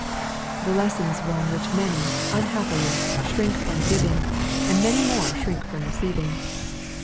The lesson is one which many, unhappily, shrink from giving, and many more shrink from receiving.